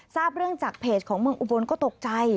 ทราบเรื่องจากเพจของเมืองอุบลก็ตกใจ